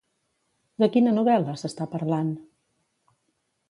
De quina novel·la s'està parlant?